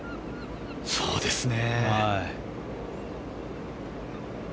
そうですね。